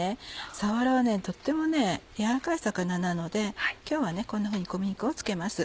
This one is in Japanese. さわらはとっても軟らかい魚なので今日はこんなふうに小麦粉を付けます。